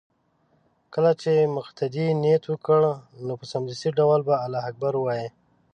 كله چې مقتدي نيت وكړ نو په سمدستي ډول به الله اكبر ووايي